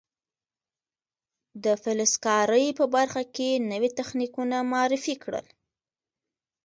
د فلز کارۍ په برخه کې نوي تخنیکونه معرفي کړل.